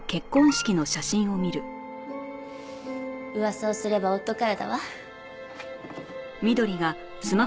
噂をすれば夫からだわ。